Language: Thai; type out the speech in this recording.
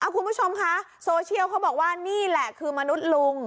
คุณผู้ชมคะโซเชียลเขาบอกว่านี่แหละคือมนุษย์ลุง